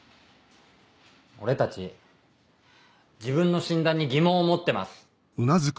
俺たち自分の診断に疑問を持ってます。